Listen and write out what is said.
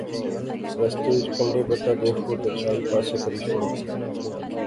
رستے اچ کنڈے بٹا دیخو تے چائی پاسے کری شوڑو